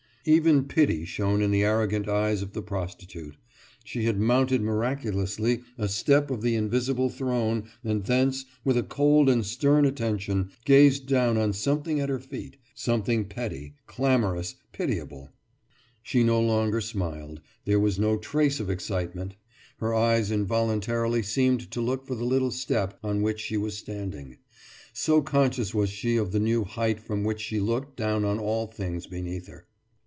Even pity shone in the arrogant eyes of the prostitute; she had mounted miraculously a step of the invisible throne and thence, with a cold and stern attention, gazed down on something at her feet something petty, clamorous, pitiable. She no longer smiled; there was no trace of excitement; her eyes involuntarily seemed to look for the little step on which she was standing, so conscious was she of the new height from which she looked down on all things beneath her.